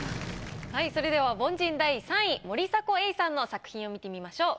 それでは凡人第３位森迫永依さんの作品を見てみましょう。